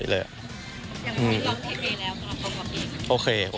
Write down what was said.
อย่างที่วางทีวีแล้วก็รู้สึกว่าก๊อปอีก